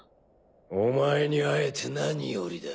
お前に会えて何よりだ。